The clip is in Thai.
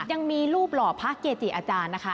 ยังมีรูปหล่อพระเกจิอาจารย์นะคะ